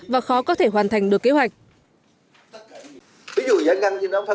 và khó có thể hoàn thành được kế hoạch